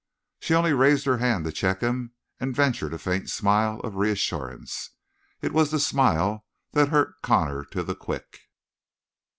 She only raised her hand to check him and ventured a faint smile of reassurance. It was the smile that hurt Connor to the quick.